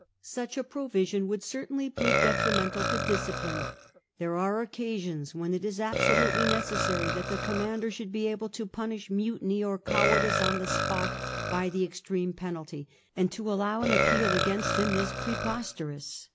Such a provision would certainly prove detrimental to discipline. There are occasions when it is absolutely necessary that the commander should be able to punish mutiny or cowardice on the spot by the extreme penalty, and to allow an appeal against him is preposterous.